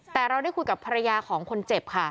แต่เราได้คุยกับภรรยาของคนเจ็บค่ะ